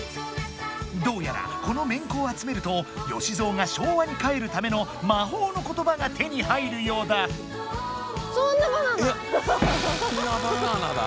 どうやらこのメンコを集めるとよしぞうが昭和に帰るための「魔法のことば」が手に入るようだ。ハハハハハハ。